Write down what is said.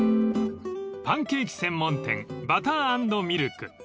［パンケーキ専門店バター＆ミルク］